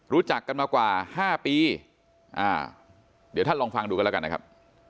รู้จักกันมากว่า๕ปีเดี๋ยวท่านลองฟังดูกันแล้วกันนะครับ